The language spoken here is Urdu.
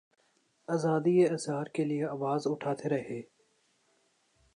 آزادیٔ اظہار کیلئے آواز اٹھاتے رہے۔